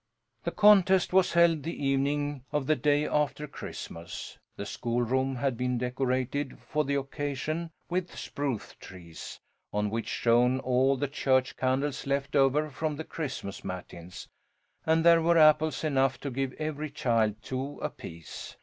The contest was held the evening of the day after Christmas. The schoolroom had been decorated for the occasion with spruce trees, on which shone all the church candles left over from the Christmas Matins, and there were apples enough to give every child two apiece.